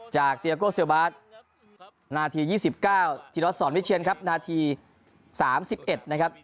เตียโก้เซอร์บาสนาที๒๙ธิรัสสอนวิเชียนครับนาที๓๑นะครับ